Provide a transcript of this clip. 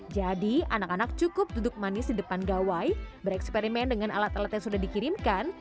jadi anak anak cukup duduk manis di depan gawai bereksperimen dengan alat alat yang sudah dikirimkan